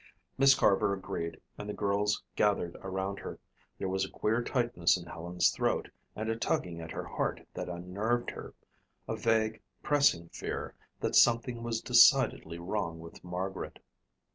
Miss Carver agreed and the girls gathered around her. There was a queer tightness in Helen's throat and a tugging at her heart that unnerved her a vague, pressing fear that something was decidedly wrong with Margaret.